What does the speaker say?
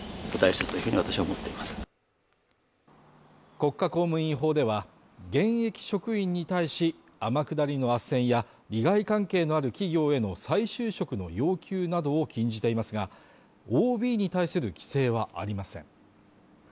国家公務員法では、現役職員に対し、天下りのあっせんや利害関係のある企業への再就職の要求などを禁じていますが、ＯＢに対する規制はありません。